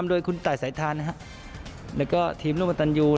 ด้วยคุณต่ายสายทานและก็ทีมนุมตันยู